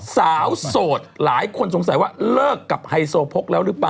สาวโสดหลายคนสงสัยว่าเลิกกับไฮโซโพกแล้วหรือเปล่า